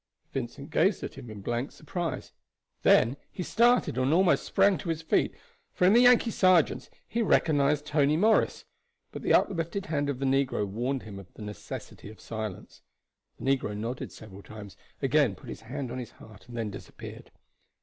Vincent gazed at him in blank surprise, then he started and almost sprang to his feet, for in the Yankee sergeant he recognized Tony Morris; but the uplifted hand of the negro warned him of the necessity of silence. The negro nodded several times, again put his hand on his heart, and then disappeared.